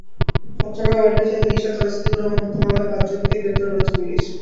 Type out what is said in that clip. চট্টগ্রামে ব্যাটারিচালিত রিকশার চালক সিদ্দিকুর রহমান হত্যা মামলায় পাঁচজনকে গ্রেপ্তার করেছে পুলিশ।